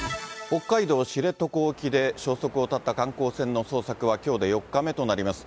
北海道知床沖で消息を絶った観光船の捜索はきょうで４日目となります。